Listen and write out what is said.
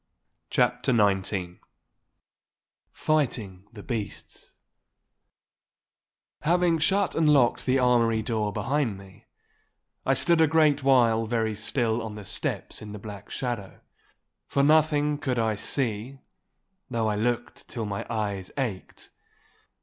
*CHAPTER XIX* *FIGHTING THE BEASTS* Having shut and locked the armoury door behind me, I stood a great while very still on the steps in the black shadow; for nothing could I see, though I looked till my eyes ached.